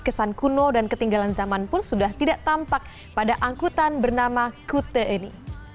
kesan kuno dan ketinggalan zaman pun sudah tidak tampak pada angkutan bernama kute ini